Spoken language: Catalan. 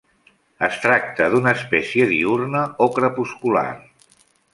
Es tracta d'una espècie diürna o crepuscular.